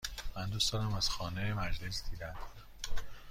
من دوست دارم از خانه مجلس دیدن کنم.